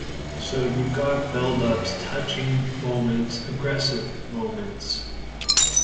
So you've got buildups, touching moments, aggressive moments.